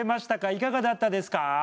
いかがだったですか？